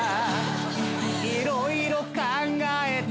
「いろいろ考えた」